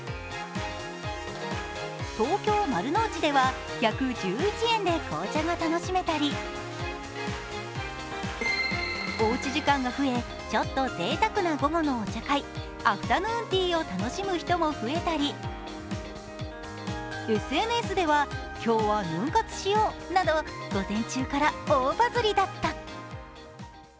東京・丸の内では１１１円で紅茶が楽しめたりおうち時間が増え、ちょっとぜいたくな午後のお茶会、アフタヌーンティーを楽しむ人も増えたり、ＳＮＳでは、今日はヌン活しようなど午前中から大バズリだった。